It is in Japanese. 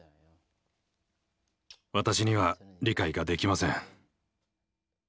私には理解ができません。